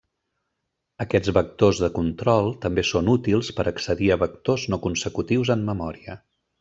Aquests vectors de control també són útils per accedir a vectors no consecutius en memòria.